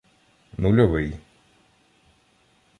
Нульовий